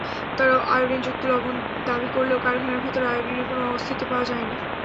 তাঁরা আয়োডিনযুক্ত লবণ দাবি করলেও কারখানার ভেতরে আয়োডিনের কোনো অস্তিত্ব পাওয়া যায়নি।